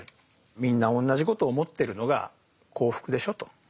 みんな同じこと思ってるのが幸福でしょと。